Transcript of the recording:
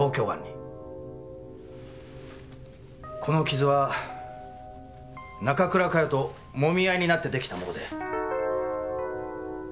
この傷は中倉佳世と揉み合いになって出来たもので。